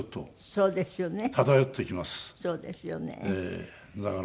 そうですよね。